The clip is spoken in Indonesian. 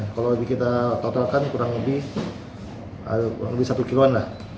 kalau kita totalkan kurang lebih satu kiloan lah